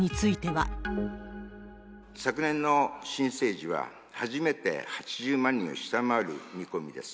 昨年の新生児は、初めて８０万人を下回る見込みです。